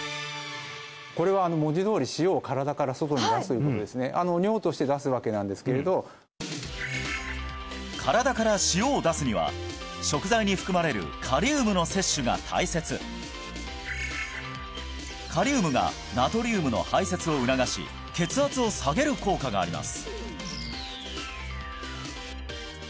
これは文字どおり尿として出すわけなんですけれど身体から塩を出すには食材に含まれるカリウムの摂取が大切カリウムがナトリウムの排泄を促し血圧を下げる効果があります